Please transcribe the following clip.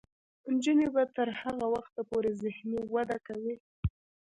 نجونې به تر هغه وخته پورې ذهني وده کوي.